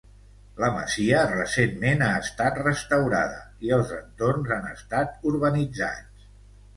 La masia recentment ha estat restaurada i els entorns han estat urbanitzats.